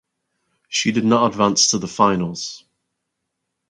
She did not advance to the finals.